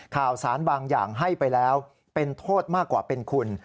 ข่าวสารบางอย่างให้ไปแล้วเป็นโทษมากกว่าเป็นคุณ